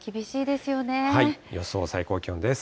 予想最高気温です。